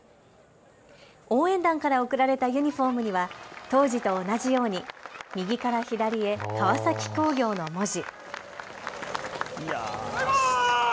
応援団から贈られたユニフォームには当時と同じように右から左へ川崎工業の文字。